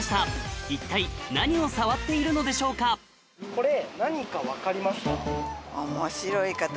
これ何か分かりますか？